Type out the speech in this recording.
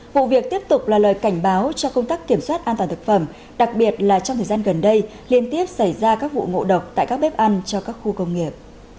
vụ việc tiếp tục là lời cảnh báo cho công tác kiểm soát an toàn thực phẩm đặc biệt là trong thời gian gần đây liên tiếp xảy ra các vụ ngộ độc tại các bếp ăn cho các khu công nghiệp